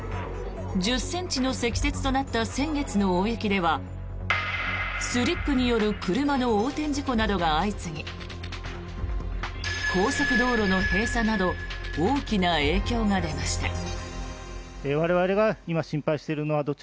１０ｃｍの積雪となった先月の大雪ではスリップによる車の横転事故などが相次ぎ高速道路の閉鎖など大きな影響が出ました。